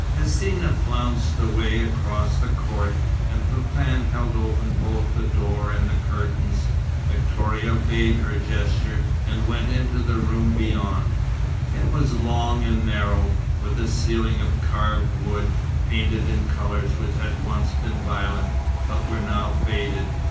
Hsina flounced away across the court, and Fafann held open both the door and the curtains. Victoria obeyed her gesture and went into the room beyond. It was long and narrow, with a ceiling of carved wood painted in colours which had once been violent, but were now faded.